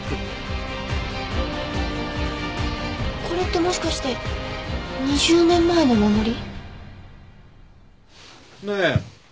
これってもしかして２０年前のお守り？ねえ。